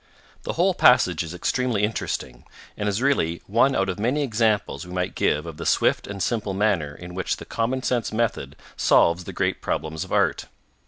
The whole passage is extremely interesting, and is really one out of many examples we might give of the swift and simple manner in which the common sense method solves the great problems of art.